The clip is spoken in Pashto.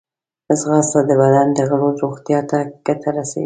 ځغاسته د بدن د غړو روغتیا ته ګټه رسوي